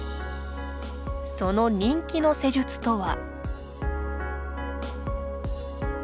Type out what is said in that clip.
その人気の施術とは。